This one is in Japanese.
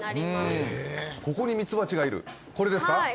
ここにミツバチがいるこれですか？